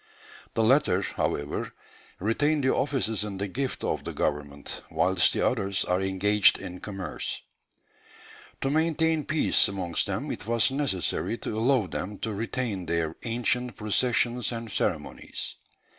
The latter, however, retain the offices in the gift of the government, whilst the others are engaged in commerce. To maintain peace amongst them it was necessary to allow them to retain their ancient processions and ceremonies....